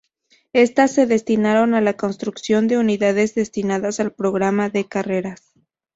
Estas se destinaron a la construcción de unidades destinadas al programa de carreras.